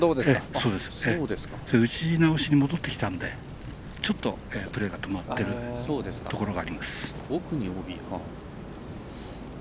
打ち直しに戻ってきたのでちょっとプレーが止まっているところがあります。